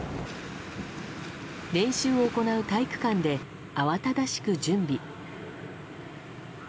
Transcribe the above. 練習を行う体育館で慌ただしく準備。